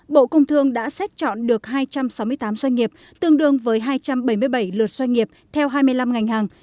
bộ công thương đã xét chọn được hai trăm sáu mươi tám doanh nghiệp tương đương với hai trăm bảy mươi bảy lượt doanh nghiệp theo hai mươi năm ngành hàng